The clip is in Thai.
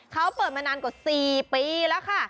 เขาเปิดมานานกว่า๔ปีแล้วค่ะ